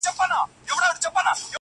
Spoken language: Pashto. • په دې هیله چي کامله مي ایمان سي,